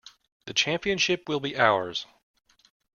The championship will be ours!